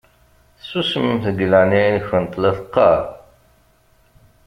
Susmemt deg leɛnaya-nkent la teqqaṛ!